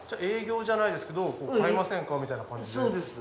営業じゃないですけど買いませんかみたいな感じで。